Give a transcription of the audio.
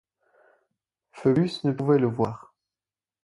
Phoebus ne pouvait le voir.